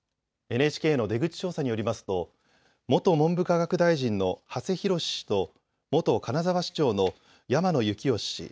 ＮＨＫの出口調査によりますと元文部科学大臣の馳浩氏と元金沢市長の山野之義氏